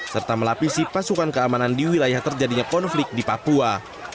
serta melapisi pasukan keamanan di wilayah terjadinya konflik di papua